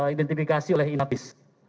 identifikasi oleh inatis